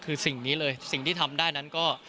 คือสิ่งนี้เลยสิ่งที่ทำได้นั้นก็